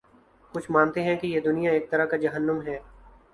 کچھ مانتے ہیں کہ یہ دنیا ایک طرح کا جہنم ہے۔